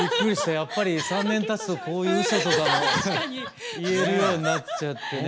やっぱり３年たつとこういううそとかも言えるようになっちゃってね。